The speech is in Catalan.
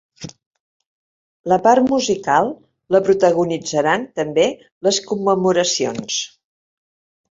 La part musical la protagonitzaran també les commemoracions.